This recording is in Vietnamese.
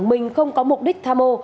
mình không có mục đích tham mô